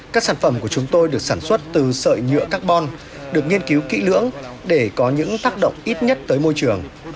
các sản phẩm của chúng tôi được sản xuất từ sợi nhựa carbon được nghiên cứu kỹ lưỡng để có những tác động ít nhất tới môi trường